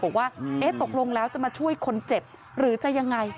ดูก็ยืนงงเลยบอกว่าตกลงแล้วจะมาช่วยคนเจ็บหรือจะยังไง